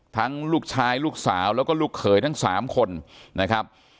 ลูกชายลูกสาวแล้วก็ลูกเขยทั้ง๓คนนะครับ